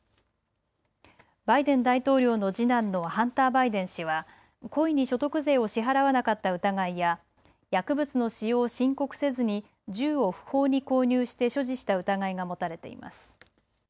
バイデン大統領の次男のハンター・バイデン氏は故意に所得税を支払わなかった疑いや薬物の使用を申告せずに銃を不法に購入して所持した疑いが持たれています。